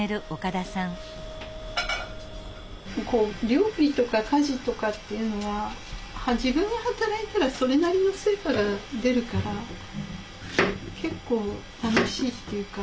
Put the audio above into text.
料理とか家事とかっていうのは自分が働いたらそれなりの成果が出るから結構楽しいっていうか。